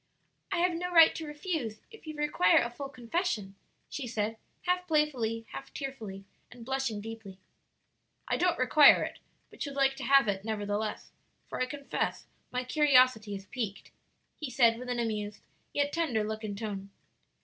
"I have no right to refuse, if you require a full confession," she said, half playfully, half tearfully, and blushing deeply. "I don't require it, but should like to have it, nevertheless; for I confess my curiosity is piqued," he said with an amused, yet tender look and tone.